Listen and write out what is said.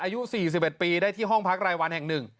อายุ๔๑ปีได้ที่ห้องพักรายวันแห่ง๑